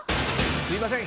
すみません。